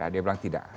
dia bilang tidak